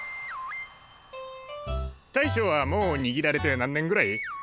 大将はもう握られて何年ぐらい？